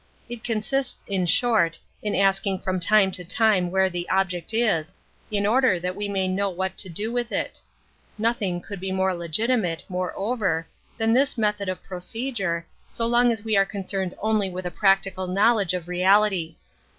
It consists, in short, in asking from time to time where the object is, in order that we may know what to do with it. Nothing could be more legitimate, moreover, than this method of procedure, so long as we are concerned only with a practical knowledge of reality.